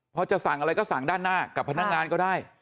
พอจะสั่งอะไรก็สั่งด้านหน้ากับพนักงานก็ได้